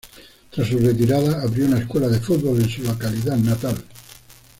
Tras su retirada, abrió una escuela de fútbol en su localidad natal.